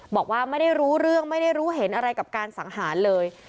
บอกว่าไม่ได้รู้เรื่องไม่ได้รู้เห็นอะไรกับการสังหารเลย